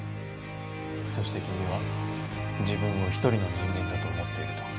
そして君は自分を一人の人間だと思っていると？